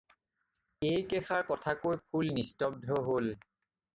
এই কেষাৰ কথা কৈ ফুল নিস্তদ্ধ হ'ল।